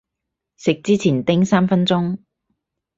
食之前叮三分鐘